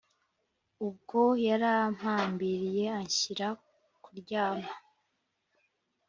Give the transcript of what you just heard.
ubwo yarampambiriye anshyira kuryama.